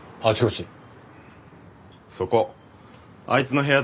そこあいつの部屋です。